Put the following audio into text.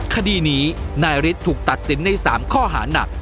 คดีนี้นายฤทธิ์ถูกตัดสินใน๓ข้อหานัก